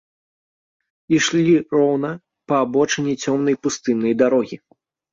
Ішлі роўна, па абочыне цёмнай пустыннай дарогі.